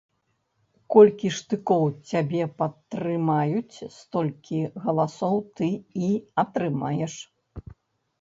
Колькі штыкоў цябе падтрымаюць, столькі галасоў ты і атрымаеш.